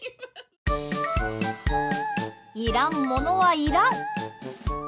いらんものはいらん！